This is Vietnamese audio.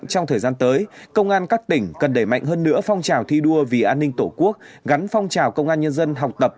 trong thời gian tới công an các tỉnh cần đẩy mạnh hơn nữa phong trào thi đua vì an ninh tổ quốc gắn phong trào công an nhân dân học tập